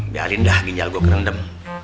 biarin dah ginjal gue ke rendem